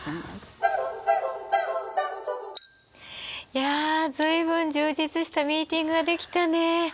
いや随分充実したミーティングができたね。